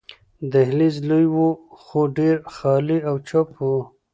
دهلېز لوی وو، خو ډېر خالي او چوپ وو.